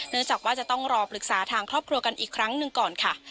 จากว่าจะต้องรอปรึกษาทางครอบครัวกันอีกครั้งหนึ่งก่อนค่ะ